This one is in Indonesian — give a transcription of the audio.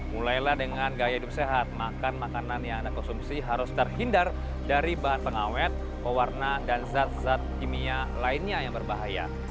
mulailah dengan gaya hidup sehat makan makanan yang anda konsumsi harus terhindar dari bahan pengawet pewarna dan zat zat kimia lainnya yang berbahaya